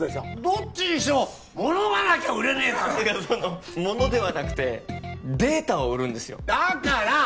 どっちにしてもものがなきゃ売れねえだろものではなくてデータを売るんですよだから！